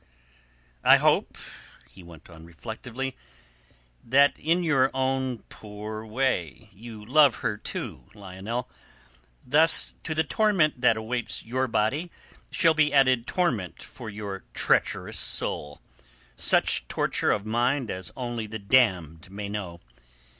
"I hope," he went on reflectively, "that in your own poor way you love her, too, Lionel. Thus to the torment that awaits your body shall be added torment for your treacherous soul—such torture of mind as only the damned may know.